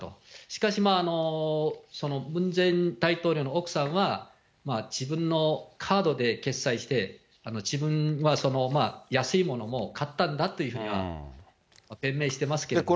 しかしまあ、そのムン・ジェイン大統領の奥さんは、自分のカードで決裁して、自分で安いものも買ったんだというふうな弁明してますけどね。